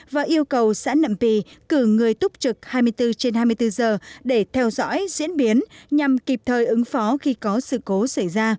và yêu cầu xã nậm pì cử người túc trực hai mươi bốn trên hai mươi bốn giờ để theo dõi diễn biến nhằm kịp thời ứng phó khi có sự cố xảy ra